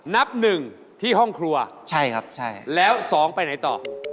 นับหนึ่งที่ห้องครัวใช่ครับใช่แล้วสองไปไหนต่อ